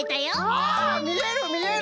あみえるみえる！